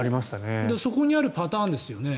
そこにあるパターンですよね。